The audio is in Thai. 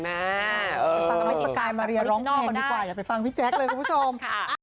ไปฟังน้องสกายมาเรียนร้องเพลงดีกว่าอย่าไปฟังพี่แจ๊คเลยคุณผู้ชม